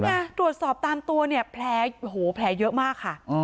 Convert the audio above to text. ดูตสอบตามตัวเนี่ยแผลเยอะมากค่ะ